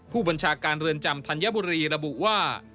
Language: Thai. ผู้บัญชาการเรือนจำธัญบุรีระบุว่า